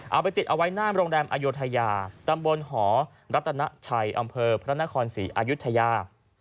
เอาไปติดเอาไว้หน้าโรงแรมอโยธยาตำบลหอรัตนาชัยอำเภอพระนครศรีอายุทยา